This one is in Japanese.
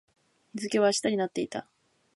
日付は明日になっていた